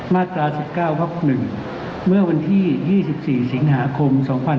มาตรา๑๙วัก๑เมื่อวันที่๒๔สิงหาคม๒๕๖๒